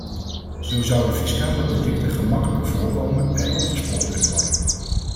Zo zouden fiscale delicten gemakkelijker voorkomen en opgespoord kunnen worden.